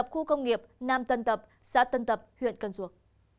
một khu công nghiệp nam tân tập xã tân tập huyện cần duộc